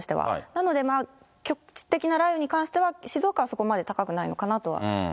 なので、局地的な雷雨に関しては、静岡はそこまで高くないのかなとは思います。